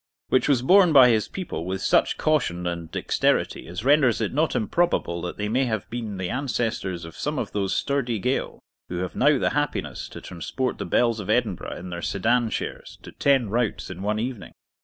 ] which was borne by his people with such caution and dexterity as renders it not improbable that they may have been the ancestors of some of those sturdy Gael who have now the happiness to transport the belles of Edinburgh in their sedan chairs to ten routs in one evening.